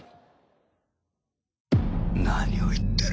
何を言ってる。